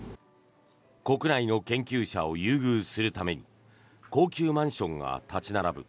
国内の研究者を優遇するために高級マンションが立ち並ぶ